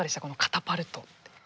このカタパルト。